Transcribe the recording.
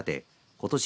ことし